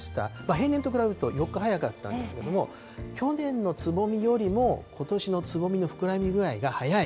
平年と比べると４日早かったんですけれども、去年のつぼみよりもことしのつぼみの膨らみ具合が早い。